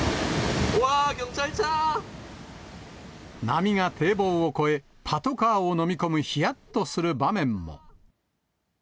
波が堤防を越え、パトカーを飲み込むひやっとする場面も。